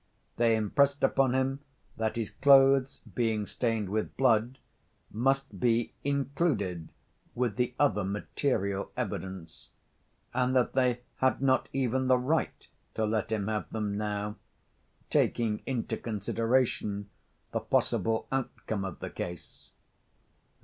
They impressed upon him that his clothes, being stained with blood, must be "included with the other material evidence," and that they "had not even the right to let him have them now ... taking into consideration the possible outcome of the case."